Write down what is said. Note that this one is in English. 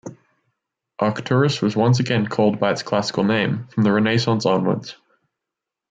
Arcturus was once again called by its classical name from the Renaissance onwards.